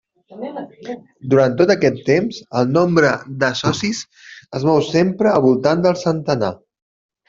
Durant tot aquest temps el nombre de socis es mou sempre al voltant del centenar.